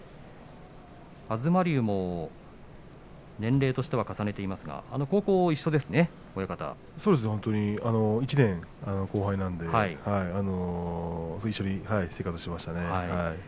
東龍も年齢としては重ねていますがそうですね１年後輩なので一緒に生活していましたね。